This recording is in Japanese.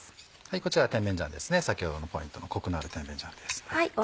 こちら先ほどのポイントのコクのある甜麺醤です。